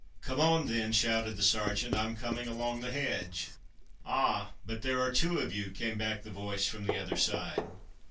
"Come on, then!" shouted the sergeant. "I'm coming along the hedge!" "Ah! but there are two of you," came back the voice from the other side.